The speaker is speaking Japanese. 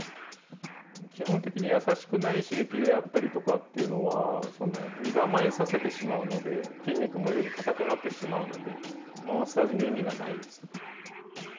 基本的に優しくない刺激であったりとかは身構えさせてしまうので筋肉もより硬くなってしまうのでマッサージの意味がないです。